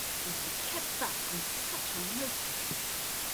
And to be kept back on such a motive!